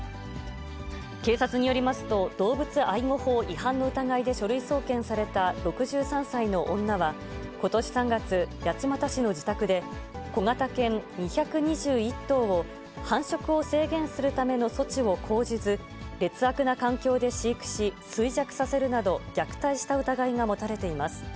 警察によりますと、動物愛護法違反の疑いで書類送検された６３歳の女は、ことし３月、八街市の自宅で、小型犬２２１頭を繁殖を制限するための措置を講じず、劣悪な環境で飼育し、衰弱させるなど、虐待した疑いが持たれています。